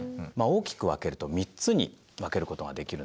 大きく分けると３つに分けることができるんです。